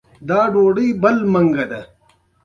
په انګلستان، امریکا او نورو انګلیسي ژبو هېوادونو کې دود دی.